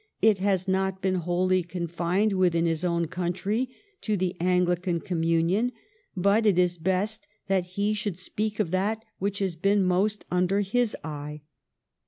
It has not been wholly confined within his own country to the Anglican communion, but it is best that he should speak of that which has been most under his eye.